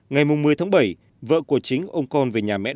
ngày một mươi tháng bảy vợ của chính ôm con về nhà mẹ đồng